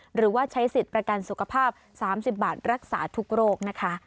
หรือว่าใช้สิทธิ์ประกันสุขภาพ๓๐บาทรักษาทุกโรคนะคะ